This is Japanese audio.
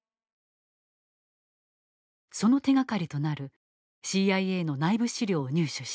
その手がかりとなるＣＩＡの内部資料を入手した。